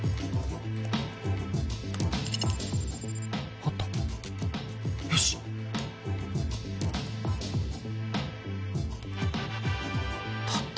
あったよしたった